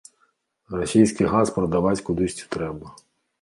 Расійскі газ прадаваць кудысьці трэба.